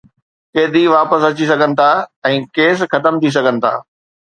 قيدي واپس اچي سگهن ٿا ۽ ڪيس ختم ٿي سگهن ٿا.